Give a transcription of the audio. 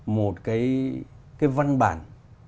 một cái văn bản